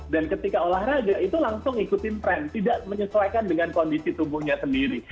dan ketika olahraga itu langsung ikutin trend tidak menyesuaikan dengan kondisi tubuhnya sendiri